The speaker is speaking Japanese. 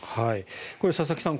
これ、佐々木さん